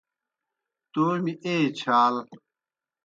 تومیْ ایئے چھال